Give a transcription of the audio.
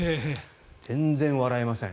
全然笑えません。